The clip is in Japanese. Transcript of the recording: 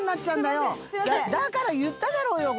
だから言っただろうよこれ。